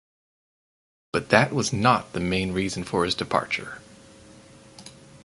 But that was not the main reason for his departure.